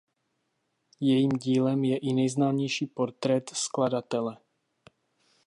Jejím dílem je i nejznámější portrét skladatele.